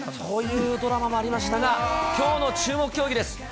そういうドラマもありましたが、きょうの注目競技です。